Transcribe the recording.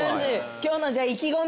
今日のじゃあ意気込み